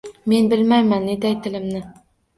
Men bilmayman netay tilimni –